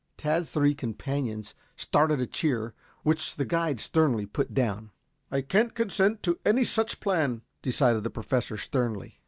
Tad's three companions started a cheer, which the guide sternly put down. "I can't consent to any such plan," decided the Professor sternly.